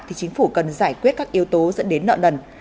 thì chính phủ cần giải quyết các yếu tố dẫn đến nợ nần